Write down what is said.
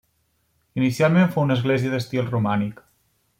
Inicialment fou una església d'estil romànic.